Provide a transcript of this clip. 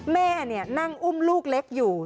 แม่นั่งอุ้มลูกเล็กอยู่